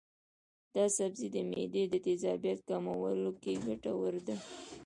دا سبزی د معدې د تیزابیت کمولو کې ګټور دی.